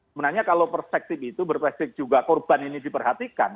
sebenarnya kalau perspektif itu berpestik juga korban ini diperhatikan